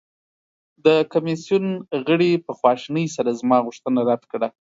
د کمیسیون غړي په خواشینۍ سره زما غوښتنه رد کړه.